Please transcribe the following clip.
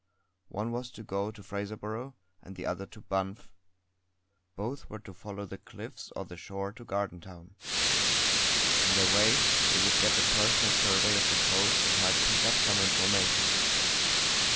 One was to go to Fraserburgh, and the other to Banff. Both were to follow the cliffs or the shore to Gardentown. On their way they would get a personal survey of the coast and might pick up some information.